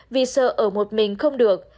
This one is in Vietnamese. vì sợ ở một mình không được